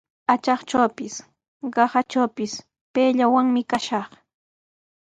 Atraqtrawpis, qasatrawpis payllawanmi kashaq.